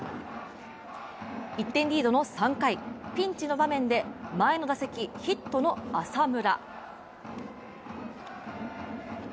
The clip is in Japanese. １点リードの３回ピンチの場面で、前の打席ヒットの浅村。